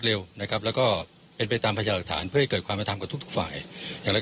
โดยหน้าที่ของตำรวจของร้อยเวนเนี่ยเขาต้องนำส่งโรงพยาบาลไปนะครับ